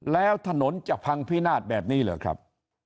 แล้วถนนจะพังพินาศแบบนี้เหรอครับ